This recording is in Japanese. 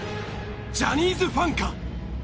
ジャニーズファンか？